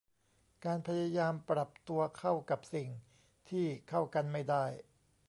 การพยายามปรับตัวเข้ากับสิ่งที่เข้ากันไม่ได้